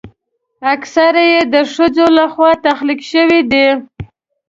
اکثره یې د ښځو لخوا تخلیق شوي دي.